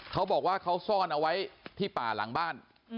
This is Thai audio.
เขาบอกว่าเขาซ่อนเอาไว้ที่ป่าหลังบ้าน